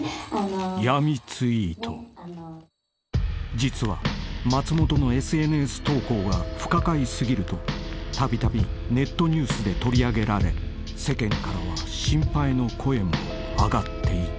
［実は松本のＳＮＳ投稿が不可解過ぎるとたびたびネットニュースで取り上げられ世間からは心配の声も上がっていた］